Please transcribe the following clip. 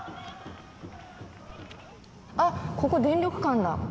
あっ、ここ電力館だ。